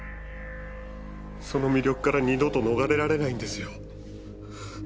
その魅力から二度と逃れられないんですよ。